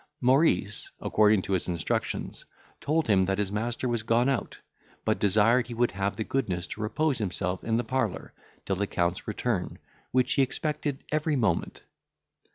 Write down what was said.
Maurice, according to his instructions, told him that his master was gone out, but desired he would have the goodness to repose himself in the parlour, till the Count's return, which he expected every moment.